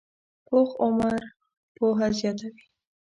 پوخ عمر پوهه زیاته وي